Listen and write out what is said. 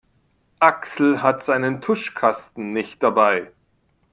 Axel hat seinen Tuschkasten nicht dabei.